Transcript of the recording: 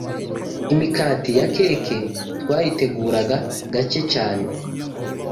Imikati ya keke twayiteguraga gake cyane